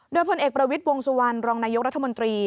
โดยพลเอกประวิทย์วงสุวรรณรองนายกรัฐมนตรี